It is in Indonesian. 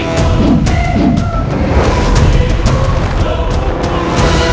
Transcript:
di puncak k teria